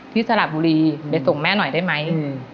สระบุรีไปส่งแม่หน่อยได้ไหม